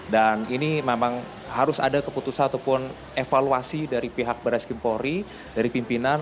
dan ini memang harus ada keputusan ataupun evaluasi dari pihak baris kempori dari pimpinan